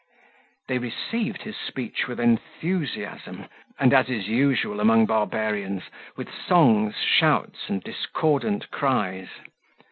33 They received his speech with enthusiasm, and as is usual among barbarians, with songs, shouts, and discordant cries.